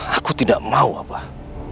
aku tidak mau abah